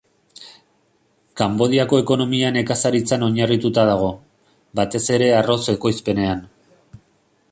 Kanbodiako ekonomia nekazaritzan oinarrituta dago, batez ere arroz ekoizpenean.